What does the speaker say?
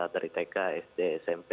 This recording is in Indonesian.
dari tk sd smp